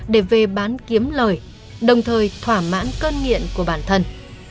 để về bán kiếm lời đồng thời thỏa mãn cơn nghiện của bản thân